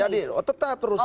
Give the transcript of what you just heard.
jadi tetap terus